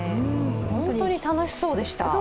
本当に楽しそうでした。